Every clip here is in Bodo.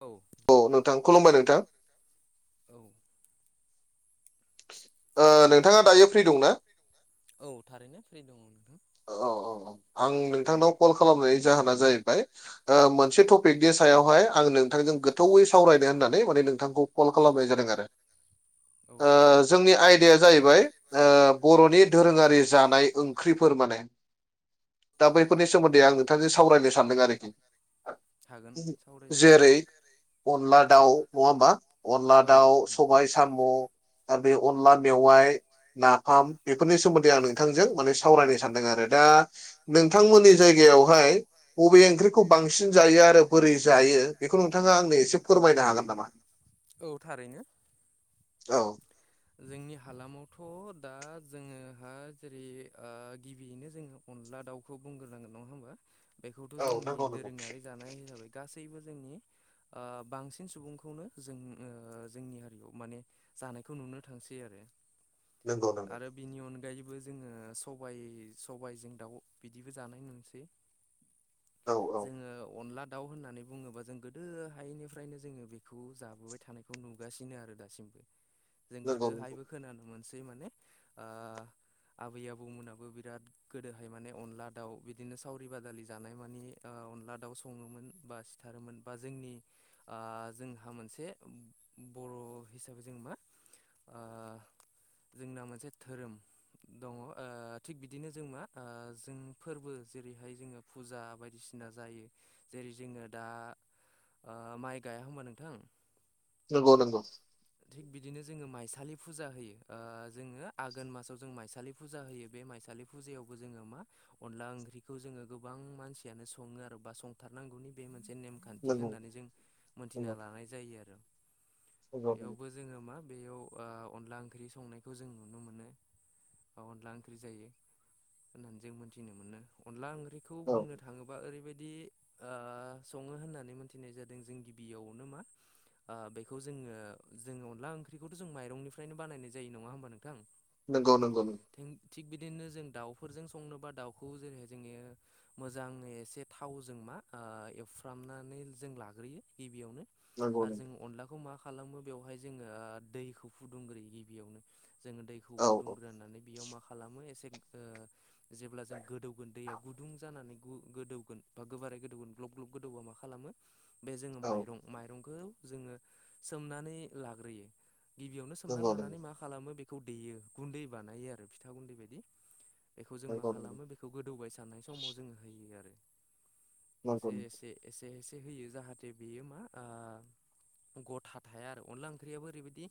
औ औ नोंथां खुलुमबाय नोंथां औ ओ नोंथाङा दायो फ्रि दंना? औ थारैनो फ्रि दङ नोंथां औ औ औ आं नोंथांनाव कल खालामनायनि जाहोना जाहैबाय ओ मोनसे थ पिकनि सायावहाय आं नोंथांजों गो थौवै सावरायनो होननानै माने नोंथांखौ कल खालामनाय जादों आरो ओ जोंनि आय दाया जाहैबाय ओ बर'नि दोरोङारि जानाय ओंख्रि फोर माने दा बैफोरनि सोमोन्दै आं नोंथांजों सावरायनो सानदों आरोखि हागोन सावरायजागोन अनला दाउ नङा होमबा अनला दाउ सबाय साम आरो बे अनला मेवाइ नाफाम बेफोरनि सोमोन्दै आं नोंथांजों माने सावरायनो सानदों आरो दा नोंथांमोननि जायगायावहाय अबे ओंख्रिखौ बांसिन जायो आरो बोरै जायो बेखौ नोंथाङा आंनो एसे फोरमायनो हागोन नामा? औ जोंनि हालामावथ' दा जोङोहा जेरै ओ गिबियैनो जोङो अनला दाउखौ बुंग्रोनांगोन नङा होमबा बेखौथ' जोंनि दोरोङारि जानाय हिसाबै गासैबो जोंनि ओ बांसिन सुबुंखौनो जों जोंनि हारियाव माने जानायखौ नुनो थांसै आरो नंगौ नंगौ बिनि अनगायैबो जोङो सबाय सबाइजों दाउ बिदिबो जानाय नुनो मोनसै औ औ जोङो अनला दाउ होननानै बुङोबा जों गोदोहायैनिफ्रायनो जोङो बेखौ जाबोबाय थानायखौ नुगासिनो आरो दासिमबो [inaudible] जों गोदोहायबो खोनानो मोनसै माने आबै आबौमोनाबो बिराद गोदोहाय माने अनला दाउ बिदिनो सावरि बादालि जानाय माने अनला दाउ सङोमोन बा आरो मोनबा जोंनि जोंहा मोनसे बर' हिसाबै जों मा जोंना मोनसे धोरोम दङ थिग बिदिनो जों मा जों फोरबो जेरैहाय जोङो फुजा बायदिसिना जायो जेरै जोङो दा माइ गाया होनबा नोंथां नंगौ नंगौ थिग बिदिनो जोङो माइसालि फुजा होयो जोङो आघोन मासाव जों माइसालि फुजा होयो बे माइसालि फुजायावबो जोङो मा अनला ओंख्रिखौ जोङो गोबां मानसियानो सङो आरो बा संथारनांगौनि बे मोनसे नेम खान्थि होननानै जों मोनथिना लानाय जायो आरो बेयावबो जोङो मा बेयाव ओ अनला ओंख्रि संनायखौ जों नुनो मोनो बा अनला ओंख्रि जायो होननानै जों मोनथिनो मोनो अनला ओं बेखौ बुंनो थाङोबा ओरैबायदि सङो होननानै मोनथिनाय जादों जों गिबियावनो मा बेखौ जोङो जों अनला ओंख्रिखौथ जों माइरंनिफ्रायनो बानायनाय जायो नङा होमबा नोंथां नंगौ नंगौ नों थिग बिदिनो जों दाउफोरजों संनोबा दाउखौ जेरैहाय जोङो मोजाङै एसे थावजों मा एवफ्रामनानै जों लाग्रोयो गिबियावनो आरो जों अनलाखौ मा खालामो बेवहाय जोङो दैखौ फुदुंग्रोयो गि बियावनो जोङो दैखौ फुदुंग्रोननानै बेयाव मा खालामो एसे जेब्ला जों गोदौगोन दैया गुदुं जानानै गोदौगोन बा गोबारै गोदौगोन ग्लब ग्लब गोदौबा मा खालामो बे जोङो माइरं माइरंखौ जोङो सोमनानै लाग्रोयो गिबियावनो सोमना लानानै मा खालामो बेखौ देयो गुन्दै बानायो आरो फिथा गुन्दै बायदि बेखौ जों मा खालामो बेखौ गोदौबाय साननाय समाव जोङो होयो आरो एसे एसे एसे एसे होयो जाहाथे बेयो मा गथा थाया आरो अनला ओंख्रियाबो ओरैबायदि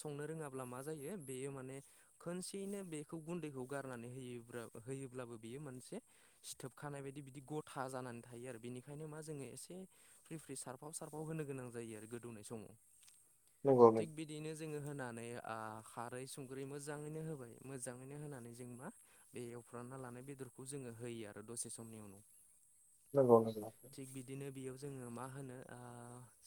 संनो रोङाब्ला मा जायो बेयो माने खनसेयैनो बेखौ गुन्दैखौ गारनानै होयो होयोब्लाबो बेयो मोनसे सिथोबखानाय बायदि बिदि गथा जानानै थायो आरो बेनिखायनो मा जोङो एसे फ्रि फ्रि सारफाव सारफाव होनो गोनां जायो आरो गोदौनाय समाव थिग बिदिनो जोङो होनानै खारै संख्रै मोजाङैनो होबाय मोजाङैनो होनानै जों मा बे एवफ्रामना लानाय बेदरखौ जोङो होयो आरो दसे समनि उनाव नंगौ नंगौ थिग बिदिनो बेयाव जोङो मा होनो ओ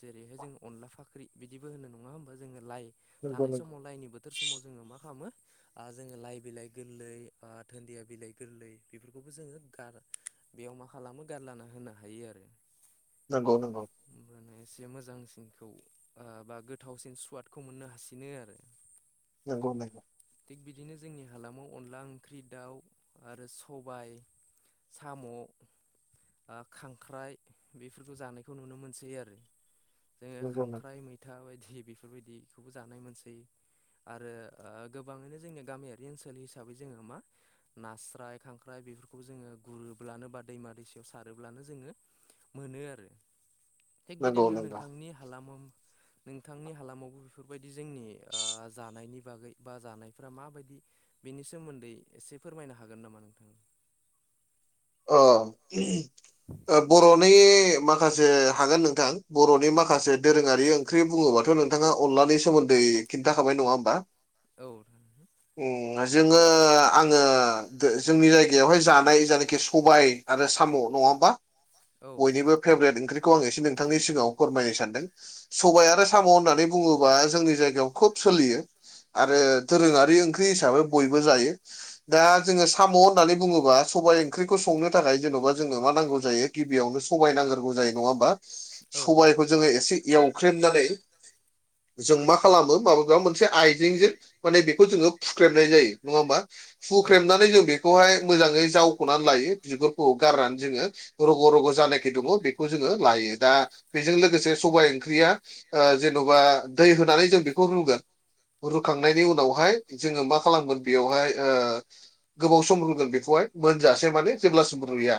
जेरैहाय जोङो अनला फाख्रि बिदिबो होनो नङा होमबा जोङो लाइ नंगौ नंगौ लाइनि बोथोर समाव जोङो मा खालामो आ जोङो लाइ बिलाइ गोरलै आ धोनदिया बिलाइ गोरलै बेफोरखौबो जोङो गार बेयाव मा खालामो गारलाना होनो हायो आरो नंगौ नंगौ ओमबाना एसे मोजांसिनखौ बा बा गोथावसिन सुवादखौ मोननो हासि नो आरो नोंगौ नोंगौ थिग बिदिनो जोंनि हालामाव अनला ओंख्रि दाउ आरो सबाय साम' खांख्राइ बेफोरखौ जानायखौ नुनो मोनसै आरो जोङो खांख्राइ मैथा बायदि बेफोरबायदिखौबो जानाय मोनसै आरो ओ गोबाङैनो जोंनिया गामियारि ओनसोल हिसाबै जोङो मा नास्राय खांख्राइ बेफोरखौ जोङो गुरोब्लानो बा दैमा दैसायाव सारोब्लानो जोङो मोनो आरो [inaudible] थिग बिदिनो नोंथांनि हालामाव नोंथांनि हालामावबो बेफोरबायदि जोंनि ओ जानायनि बागै बा जानायफ्रा माबायदि बेनि सोमोन्दै एसे फोरमायनो हागोन नामा नोंथां अ ओ बर'नि माखासे हागोन नोंथां बर'नि माखासे दोरोङारि ओं ख्रि बुङोब्लाथ' नोंथाङा अनलानि सोमोन्दै खिन्थाखाबानाय नङा होमबा औ नोंथां जोङो आङो जोंनि जायगायावहाय जानाय जायनाखि सबाय आरो साम नङा होनबा बयनिबो फेभरेट ओंख्रिखौ आं एसे नोंथांनि सिगाङाव फोरमायनो सानदों सबाय आरो साम' होननानै बुङोबा जोंनि जायगायाव खोब सोलियो आरो दोरोङारि ओंख्रि हिसाबै बयबो जायो दा जोङो साम' होननानै बुङोबा सबाइ ओंख्रिखौ संनो थाखाय जेनबा जोंनो मा नांगोरगौ जायो गबियावनो सबाइ नांगोरगौ जायो नङा होनबा सबाइखौ जोङो एसे एवख्रेमनानै जों मा खालामो [unintelligible] मोनसे आइजेंजों माने बेखौ जोङो फुख्रेमनाय जायो नङा होमबा फुख्रेमनानै जों बे खौहाय मोजाङै जावख'नानै लायो बिगुरखौ गारनानै जोङो रग' रग' जायनाखि दङ बेखौ जोङो लायो दा बेजों लोगोसे सबाइ ओंख्रिया ओ जेन'बा दै होनानै जों बेखौ रुगोन रुखांनायनि उनावहाय जोङो मा खालामगोन बेयावहाय ओ गोबाव सम रुगोन बेखौहाय मोनजासे माने जेब्लासिम रुया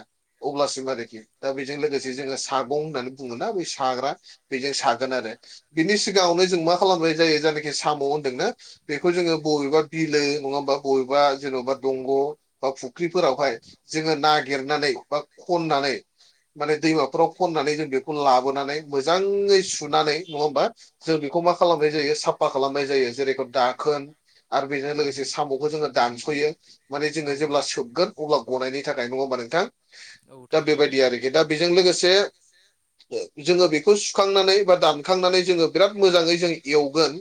अब्लासिम आरोखि दा बेजों लोगोसे जोङो सागं होननानै बुङोना बे साग्रा बेजों सा गोन आरो बिनि सिगाङावनो जों मा खालामनाय जायो जायनाखि साम' होन्दोंना बेखौ जोङो बबेबा बिलो नङा होमबा बबेबा जेन'बा दंग' बा ख्रिफोरावहाय जोङो नागिरनानै बा खननानै माने दैमाफोराव खननानै जों बेखौ लाबोनानै मोजाङै सुनानै नङा होमबा जों बेखौ मा खालामनाय जायो सा फा खालामनाय जायो जेरैखौ दाखोन आरो बेजों लोगोसे साम'खौ जोङो दानस'यो माने जोङो जेब्ला सोबगोन अब्ला गनायनि थाखाय नङा होमबा नोंथां दा बेबायदि आरोखि दा बेजों लोगोसे जोङो बेखौ सुखांनानै बा दानखांनानै जोङो बिराद मोजाङै जों एवगोन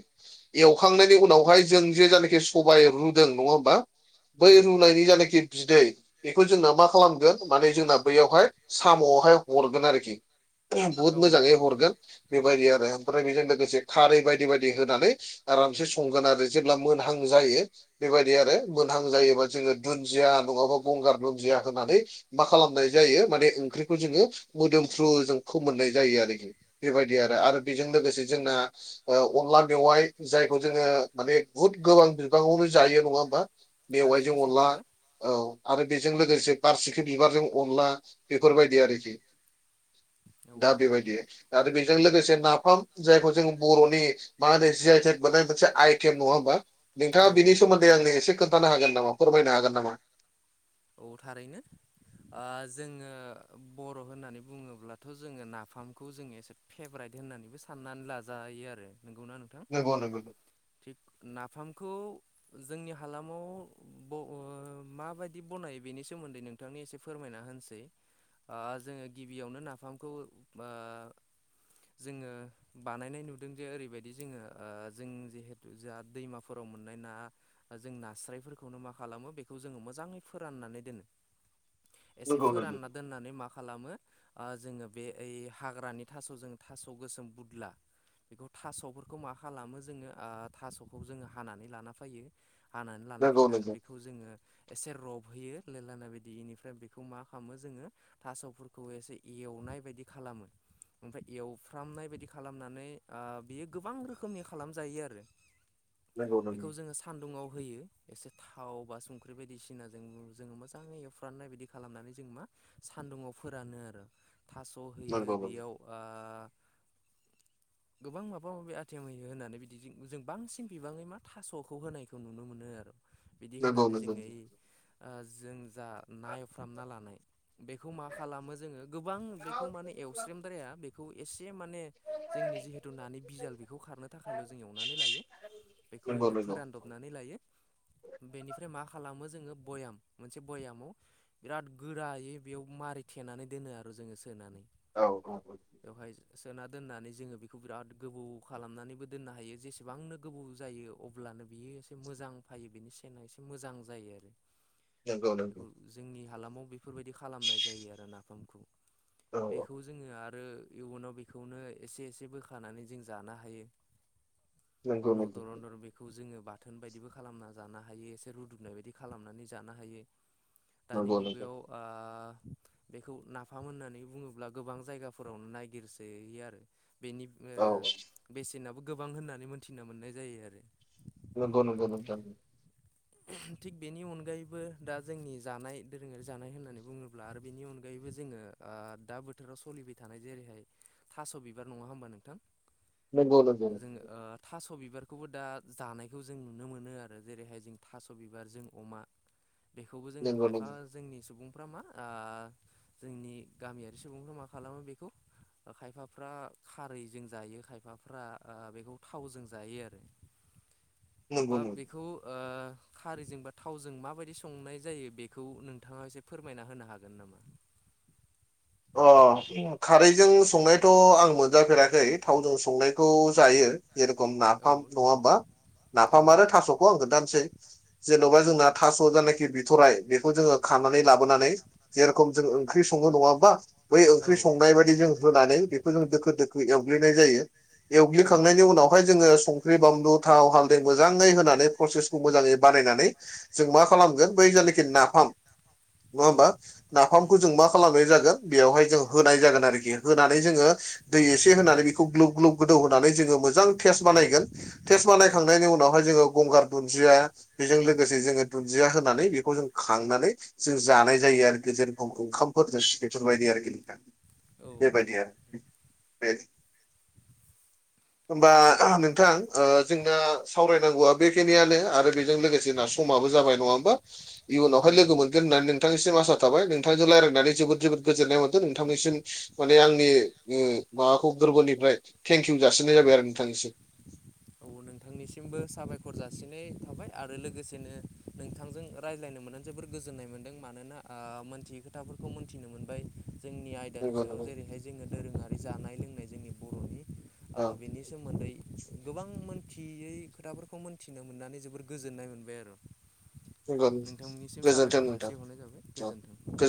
एवखांनायनि उनावहाय जों जे जायनाखि सबाय रुदों नङा होमबा? बै रुनायनि जानाखि बिदै बेखौ जोंना मा खालामगोन माने जोंना बैयावहाय साम'आवहाय हरगोन आरोखि। बुहुद मोजाङै हरगोन बेबायदि आरो ओमफ्राय बेजों लोगोसे खारै बायदि बायदि होनानै आरामसे संगोन आरो जेब्ला मोनहां जायो बेबायदि आरो मोनहां जायोबा जोङो दुन्दिया नङाबा गंगार दुन्दिया होनानै मा खालामनाय जायो माने ओंख्रिखौ जोङो मोदोमफ्रु जों फोमोननाय जायो आरोखि। बेबायदि आरो आरो बेजों लोगोसे जोंना अनला मेवाइ जायखौ जोङो माने बुहुद गोबां बिबाङावनो जायो नङा होमबा? मेवाइजों अनला औ आरो बेजों लोगोसे बारसिखि बिबारजों अनला बेफोरबायदि आरोखि। दा बेबायदि आरो बेजों लोगोसे नाफाम जायखौ जों बर'नि मा होनो जि आइ टेक मोननाय मोनसे आइटेम नङा होमबा नोंथाङा बि सोमोन्दै आंनो एसे खो थानो हागोनामा फोरमायनो हागोन नामा? औ थारैनो। आ जोङो बर' होननानै बुङोब्लाथ' जोङो नाफामखौ जोङो एसे फेभाराइट होननानैबो साननानै लाजायो आरो। नोंगौना नोंथां? नोंगौ नोंगौ। थिग नाफामखौ जोंनि हालामाव ब ओ माबाय दि बनायो बेनि सोमोन्दै नोंथांनि एसे फोरमायना होनसै। आ जोङो गिबियावनो नाफामखौ ओ जोङो बानायनाय नुदों जे ओरैबायदि जोङो ओ जों जिहे थु जोंहा दैमाफोराव मोननाय ना जों नास्रायफोरखौनो मा खालामो बेखौ जोङो मोजाङै फोराननानै दोनो। एसे फोरानना दोननानै मा खालामो आ जोङो बे ओइ हाग्रानि थास' जों थास' गोसोम बुदला बेखौ थास'फोरखौ मा खालामो जोङो आ थास'खौ जोङो हानानै लाना फैयो। हानानै लाना फैनानै बेखौ जोङो एसे रब फैयो लोलाना बिदि इनिफ्राय बेखौ मा खालामो जोङो थास'फोरखौ एसे एवनाय बायदि खालामो। ओमफ्राय एवफ्रामनाय बायदि खालामनानै आ बेयो गोबां रोखोमनि खालामजायो आरो। [inaudible] एखौ जोङो सान्दुुङाव होयो एसे थाव बा संख्रि बायदिसिना जों जोङो मोजाङै एवफ्राननाय बिदि खालामनानै जों मा सान्दुङाव फोरानो आरो। थास' होयो बेयाव आ [inaudible] गोबां माबा माबि आटेम होयो होनानै बिदि जों बांसिन बिबाङै मा थास'खौ होनायखौ नुनो मोनो आर'। बिदि होनानै जों ओइ ओ जों जा ना एवफ्रामना लानाय बेखौ मा खालामो जोङो गोबां बेखौ माने एवस्रेमद्राया बेखौ एसे माने जोंनि जिहेथु नानि बिजाल बेखौ खारनो थाखायल' जों एवनानै लायो। बेखौ एनफ्राय फोरान दब नानै लायो बेनिफ्राय मा खालामो जोङो भयाम मोनसे भयामाव बिराद गोरायै बेयाव मारै थेनानै दोनो आरु जोङो सोनानै। औ औ औ। बेवहाय सोना दोननानै जोङो बेखौ बिराद गोबौ खालामनानैबो दोननो हायो जेसेबांनो गोबौ जायो अब्लानो बियो एसे मोजां फायो बिनि सेना एसे मोजां जायो आरो। नोंगौ नोंगौ। जोंनि हालामाव बेफोरबायदि खालामनाय जायो आरो नाफामखौ। बेखौ जोङो आरो इयुनाव बेखौनो एसे एसे बोखानानै जों जानो हायो। उनाव दरन दरन बेखौ जोङो बाथोन बायदिबो खालामना जानो हायो एसे रुदुबनाय बायदि खालामनानै जानो हायो दानि मुगायाव आ बेखौ नाफाम होननानै बुङोब्ला गोबां जायगाफोरावनो नायगिरसो आरो। बेनि बेसेनाबो गोबां होननानै मोनथिनो मोननाय जायो आरो नंगौ नंगौ नोंथां थिग बेनि अनगायैबो दा जोंनि जानाय दोरोङारि जानाय होननानै बुङोब्ला आरो बेनि अनगायैबो जोङो दा बोथोराव सोलिबाय थानाय जेरैहाय थास' बिबार नङा होमबा नोंथां नंगौ नंगौ थास' बिबारखौबो दा जानायखौ जों नुनो मोनो आरो जेरैहाय जों थास' बिबार जों अमा बेखौबो जोङो खायफा जोंनि सुबुंफ्रा मा जोंनि गामियारि सुबुंफ्रा मा खालामो बेखौ खायफाफ्रा खारैजों जायो खायफाफ्रा बेखौ थावजों जायो आरो [inaudible] बा बेखौ खारैजों बा थावजों माबायदि संनाय जायो बेखौ नोंथाङा एसे फोरमायना होनो हागोन नामा [inaudible] अ खारैजों संनायथ' आं मोनजाफेराखै थावजों संनायखौ जायो जेरेखम नाफाम नङा होमबा नाफाम आरो थास'खौ आं खथानोसै जेन'बा जोंना थास जायनाखि बिथराय बेखौ जोङो खानानै लाबोनानै जे रखम जों ओंख्रि सङो नङा होनबा बै ओंख्रि संनाय बादि जों होनानै बेखौ जों दोखो दोखो एवग्लिनाय जायो एवग्लिखांनायनि उनावहाय जोङो संख्रि बानलु थाव हालदै मोजाङै होनानै प्रसेसखौ मोजाङै बानायनानै जों मा खालामगोन बै जानखि नाफाम नङा होमबा नाफामखौ जों मा खालामनाय जागोन बेयावहाय जों होनाय जागोन आरोखि होनानै जोङो दै एसे होनानै बेखौ ग्लुब ग्लुब गोदौ होनानै जोङो मोजां टेस्ट बानायगोन टेस्ट बानायखांनायनि उनावहाय जोङो गंगार दुन्दिया बेजों लोगोसे जोङो दुन्दिया होनानै बेखौ जों खांनानै जों जानाय जायो आरोखि जे रखम ओंखामफोरजों बेफोरबायदि आरोखि बेबायदि [unintelligible] बे होमबा नोंथां जोंना सावरायनांगौआ बेखिनियानो आरो बेजों लोगोसे जोंना समाबो जाबाय नङा होमा इयुनावहाय लोगो मोनगोन होननानै नोंथांनिसिम आसा थाबाय नोंथांजों रायलायनानै जोबोद जोबोद गोजोननाय मोनदों नोंथांनिसिम माने आंनि माबाखौ गोरबोनिफ्राय थेंक इउ जासिनाय जाबाय आरो नोंथांनिसिम औ नोंथांनिसिमबो साबायखर जासिनाय थाबाय आरो लोगोसेनो नोंथांजों रायज्लायनो मोननानै जोबोर गोजोननाय मोनदों मानोना मोनथियै खोथाफोरखौ मोनथिनो मोनबाय जोंनि आय दानि सायाव जेरैहाय जोङो दोरोङारि जानाय लोंनाय जोंनि बर'नि बिनि सोमोन्दै गोबां मोनथि यै खोथाफोरखौ मोनथिनो मोननानै जोबोर गोजोननाय मोनबाय आरो नोंथांनिसिम साबायखर जासि हरनाय जाबाय गोजोन्थों